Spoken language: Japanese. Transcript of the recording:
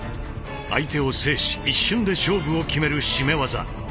相手を制し一瞬で勝負を決める絞め技。